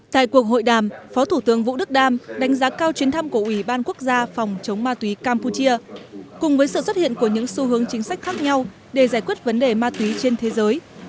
tại cuộc hội đàm phó thủ tướng vũ đức đam đánh giá cao chuyến thăm của ủy ban quốc gia phòng chống ma túy campuchia cùng với sự xuất hiện của những xu hướng chính sách khác nhau để giải quyết vấn đề ma túy trên thế giới